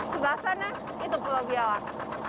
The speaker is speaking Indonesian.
sebelah sana itu pulau biawak